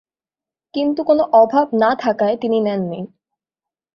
কিন্তু কোন অভাব না থাকায় তিনি নেননি।